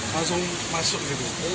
langsung masuk gitu